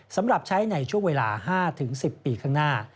สำหรับใช้ในช่วงเวลา๕๑๐ปีข้างหน้า